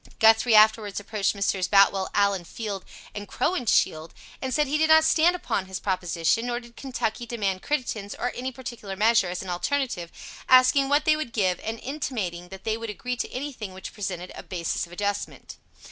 Guthrie afterwards approached Messrs. Boutwell, Allen, Field, and Crowninshield, and said he did not stand upon his proposition, nor did Kentucky demand Crittenden's, or any particular measure, as an alternative, asking what they would give, and intimating that they would agree to anything which presented a basis of adjustment.